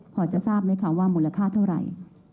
พอจะทราบไหมคะว่ามูลค่าเท่าไหร่